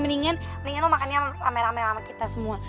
mendingan mendingin lo makannya rame rame sama kita semua